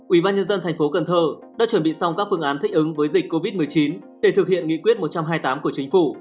ủy ban nhân dân thành phố cần thơ đã chuẩn bị xong các phương án thích ứng với dịch covid một mươi chín để thực hiện nghị quyết một trăm hai mươi tám của chính phủ